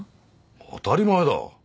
当たり前だ。